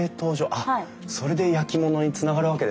あっそれで焼き物につながるわけですね。